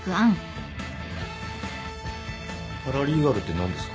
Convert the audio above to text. パラリーガルって何ですか？